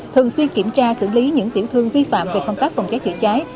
thường xuyên kiểm tra xử lý những tiểu thương vi phạm về công tác phòng trái chữa trái